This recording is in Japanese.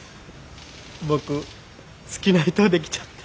僕好きな人できちゃった。